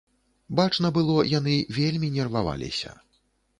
Бачна было, яны вельмі нерваваліся.